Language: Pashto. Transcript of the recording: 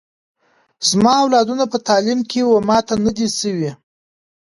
زما اولادونه په تعلیم کي و ماته نه دي سوي